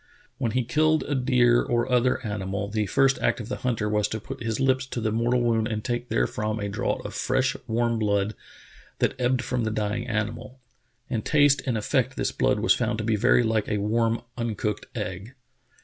When he killed a deer or other animal, the first act of the hunter was to put his lips to the mor tal wound and take therefrom a draught of fresh, warm blood that ebbed from the dying animal. In taste and in effect this blood was found to be very like a warm uncooked egg.